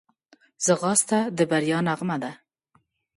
ځغاسته د بریا نغمه ده